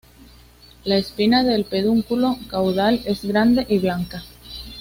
La espina del pedúnculo caudal es grande y blanca.